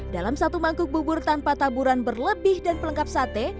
dalam satu mangkuk bubur tanpa taburan berlebih dan pelengkap sate